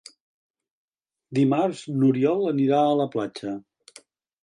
Dimarts n'Oriol anirà a la platja.